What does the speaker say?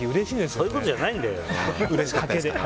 そういうことじゃないんだよ